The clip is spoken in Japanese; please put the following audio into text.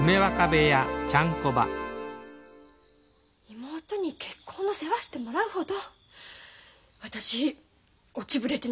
妹に結婚の世話してもらうほど私落ちぶれてないわよ。